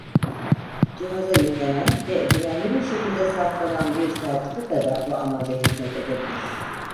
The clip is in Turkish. Cihaza yüklenen ve güvenli bir şekilde saklanan bir sertifika da bu amaca hizmet edebilir.